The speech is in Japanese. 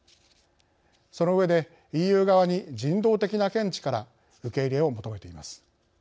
そのうえでＥＵ側に人道的な見地から受け入れを求めています。